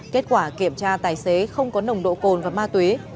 kết quả kiểm tra tài xế không có nồng độ cồn và ma túy